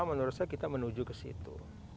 menurut saya kita menuju ke situ